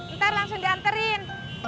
ntar langsung dianterin